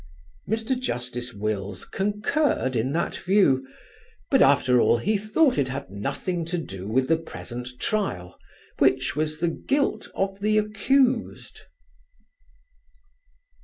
Mr. Justice Wills concurred in that view, but after all he thought it had nothing to do with the present trial, which was the guilt of the accused.